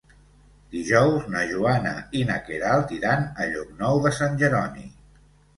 Dijous na Joana i na Queralt iran a Llocnou de Sant Jeroni.